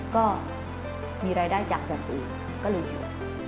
ก็มีรายได้อยากจากอีกก็เลยอยู่